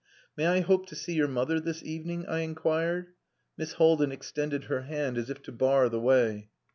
"May I hope to see your mother this evening?" I inquired. Miss Haldin extended her hand as if to bar the way.